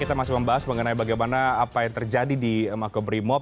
kita masih membahas mengenai bagaimana apa yang terjadi di makobrimob